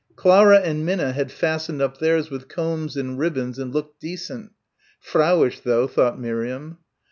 Clara and Minna had fastened up theirs with combs and ribbons and looked decent frauish though, thought Miriam.